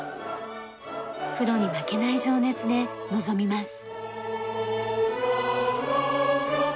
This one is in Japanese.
プロに負けない情熱で臨みます。